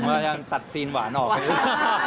เพิ่มซีนหวานตัดซีนหวานออกอีก